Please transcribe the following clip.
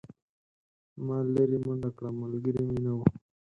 ما لیرې منډه کړه ملګری مې نه و.